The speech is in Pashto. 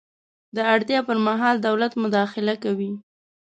د اړتیا پر مهال دولت مداخله کوي.